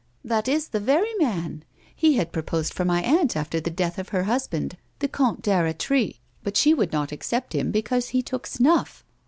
" That is the very man. He had proposed for my aunt after the death of her husband, the Comte d'^lretry, but she would not accept him because he took snuff.